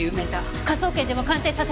科捜研でも鑑定させてください。